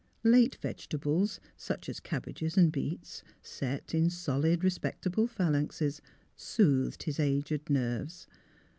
Late vegetables, such as cabbages and beets, set in solid, respectable phalanxes, soothed his aged nerves.